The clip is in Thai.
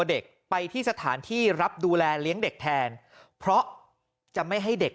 เด็กไปที่สถานที่รับดูแลเลี้ยงเด็กแทนเพราะจะไม่ให้เด็ก